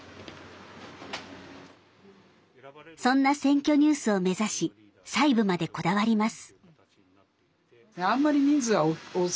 そんな「選挙ニュース」を目指し細部までこだわります。